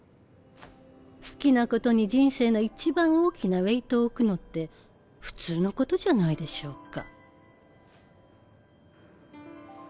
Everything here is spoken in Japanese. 好きなことに人生のいちばん大きなウエイトを置くのって普通のことじゃないでしょうか？